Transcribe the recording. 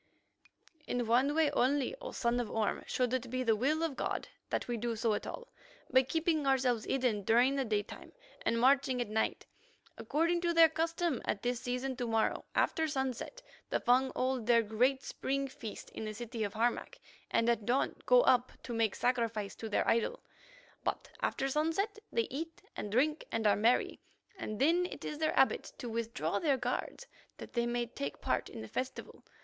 "In one way only, O son of Orme, should it be the will of God that we do so at all; by keeping ourselves hidden during the daytime and marching at night. According to their custom at this season, to morrow, after sunset, the Fung hold their great spring feast in the city of Harmac, and at dawn go up to make sacrifice to their idol. But after sunset they eat and drink and are merry, and then it is their habit to withdraw their guards, that they may take part in the festival.